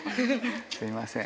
すみません。